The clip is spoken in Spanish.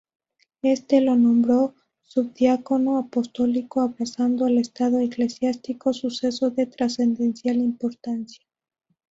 Éste lo nombró subdiácono apostólico, abrazando el estado eclesiástico, suceso de trascendental importancia.